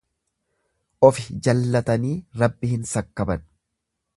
Ofi jallatanii Rabbi hin sakkaban.